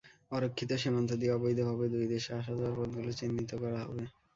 অরক্ষিত সীমান্ত দিয়ে অবৈধভাবে দুই দেশে আসা-যাওয়ার পথগুলো চিহ্নিত করা হবে।